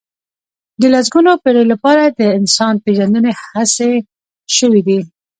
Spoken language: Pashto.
د لسګونو پېړيو لپاره د انسان پېژندنې هڅې شوي دي.